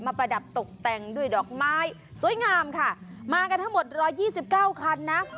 ประดับตกแต่งด้วยดอกไม้สวยงามค่ะมากันทั้งหมดร้อยยี่สิบเก้าคันนะ